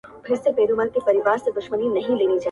هوسېږو ژوندانه د بل جهان ته٫